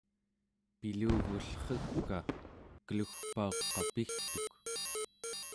pilugullregka kelugpauqapigtuk